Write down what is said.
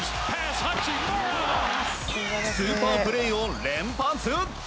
スーパープレーを連発。